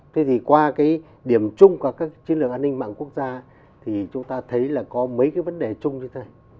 thế thì qua cái điểm chung của các chiến lược an ninh mạng quốc gia thì chúng ta thấy là có mấy cái vấn đề chung như thế